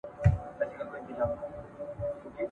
پکښي ناست به د ناحقه شاهدان ول !.